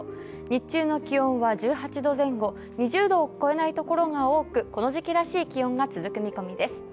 日中の気温は１８度前後２０度を超えない所が多くこの時期らしい気温が続く見込みです。